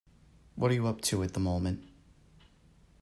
What are you up to at the moment?